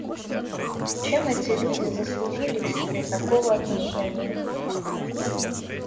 Чем эти люди заслужили к себе такого отношения?